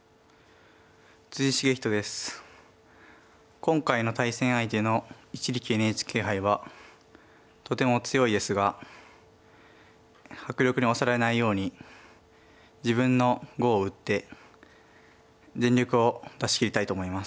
今回の対戦相手の一力ＮＨＫ杯はとてもお強いですが迫力に押されないように自分の碁を打って全力を出しきりたいと思います。